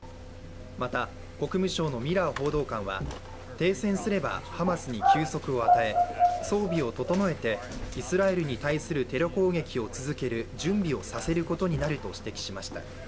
また国務省のミラー報道官は停戦すればハマスに休息を与え、装備を整えてイスラエルに対するテロ攻撃を続ける準備をさせることになると指摘しました。